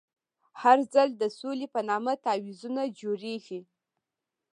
هر ځل د سولې په نامه تعویضونه جوړېږي.